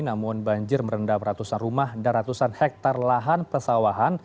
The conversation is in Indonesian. namun banjir merendam ratusan rumah dan ratusan hektare lahan pesawahan